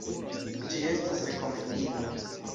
Ĝi estas rekomendinda.